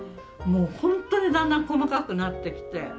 もう本当にだんだん細かくなってきて。